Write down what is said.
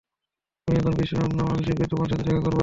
তুমি এখন বিশ্রাম নাও, আমি শীঘ্রই তোমার সাথে দেখা করব।